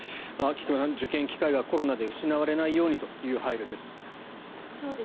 菊間さん受験機会がコロナで失われないようにという配慮です。